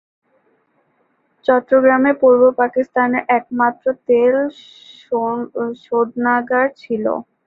চট্টগ্রামে পূর্ব পাকিস্তানের একমাত্র তেল শোধনাগার ছিল।